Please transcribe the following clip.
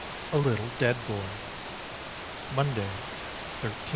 A LITTLE DEAD BOY Monday, I3th.